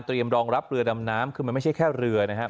รองรับเรือดำน้ำคือมันไม่ใช่แค่เรือนะครับ